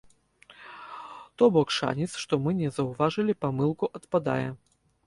То бок шанец, што мы не заўважылі памылку адпадае.